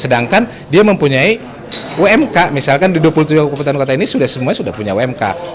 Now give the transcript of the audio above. sedangkan dia mempunyai umk misalkan di dua puluh tujuh kabupaten kota ini semua sudah punya umk